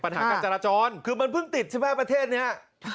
ปัญหาการจราจรคือมันเพิ่งติดใช่ไหมประเทศนี้